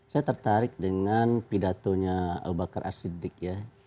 saya tertarik dengan pidatonya abu bakar as siddiq ya